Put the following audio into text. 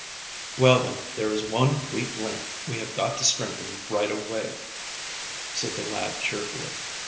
"Well, then there is one weak link we have got to strengthen right away," said the lad cheerfully.